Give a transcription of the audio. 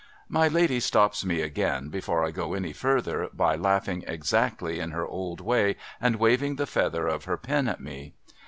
My lady stops me again, before I go any further, by laughing exactly in her old way and weaving the feather of her pen at me.